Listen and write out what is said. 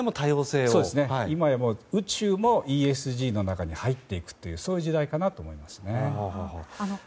今や宇宙もＥＳＧの中に入っていくという時代かなと思います。